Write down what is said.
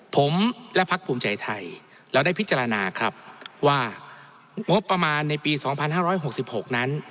ผมและพักภูมิใจไทยเราได้พิจารณาครับว่างบประมาณในปีสองพันห้าร้อยหกสิบหกนั้น